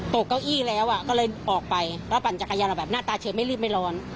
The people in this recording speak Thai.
เก้าอี้แล้วก็เลยออกไปแล้วปั่นจักรยานออกแบบหน้าตาเฉยไม่รีบไม่ร้อน